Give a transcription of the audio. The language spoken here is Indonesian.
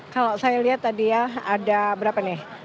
kalau saya lihat tadi ya ada berapa nih